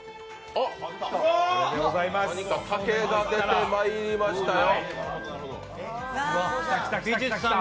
何か竹が出てまいりましたよ。